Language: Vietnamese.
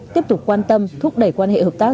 tiếp tục quan tâm thúc đẩy quan hệ hợp tác